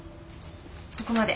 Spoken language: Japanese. ここまで。